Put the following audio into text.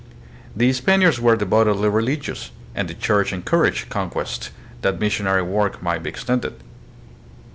The Spaniards were devotedly religious, and the Church encouraged conquest, that missionary work might be extended.